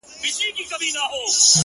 تك سپين زړگي ته دي پوښ تور جوړ كړی ـ